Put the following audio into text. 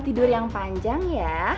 tidur yang panjang ya